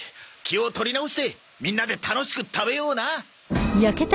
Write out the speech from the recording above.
気を取り直してみんなで楽しく食べような。